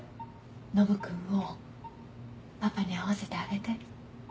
ノブ君をパパに会わせてあげて。